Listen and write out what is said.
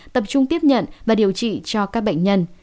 tập trung tiếp nhận và điều trị cho các bệnh nhân